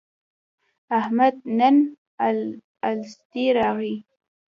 احمد نن الستی راغی.